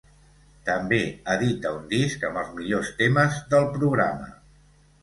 També edita un disc amb els millors temes del programa.